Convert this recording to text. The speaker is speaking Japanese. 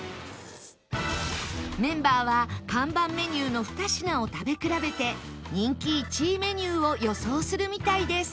メンバーは看板メニューの２品を食べ比べて人気１位メニューを予想するみたいです